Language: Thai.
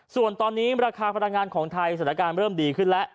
ส่วนตอนนี้ราคาพลังงานของไทยสถานการณ์เริ่มดีขึ้นแล้ว